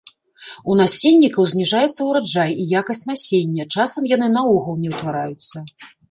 У насеннікаў зніжаецца ўраджай і якасць насення, часам яны наогул не ўтвараюцца.